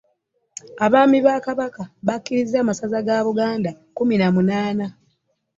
Abaami ba Kabaka bakiikirira amasaza ga Buganda kkumi na munaana